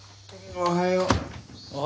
おはよう。